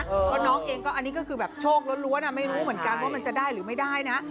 เพราะน้องเองก็อันนี้ก็คือแบบโชคล้วนไม่รู้เหมือนกันว่ามันจะได้หรือไม่ได้นะ